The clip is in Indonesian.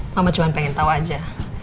mama cuma pengen tahu aja